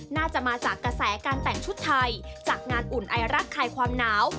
น่าจะมาจากกระแสการแต่งชุดไทยจากงานอุ่นไอรักคลายความหนาว